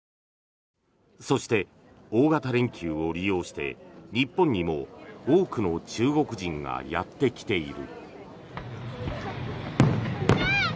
そして、大型連休を利用して日本にも多くの中国人がやってきている。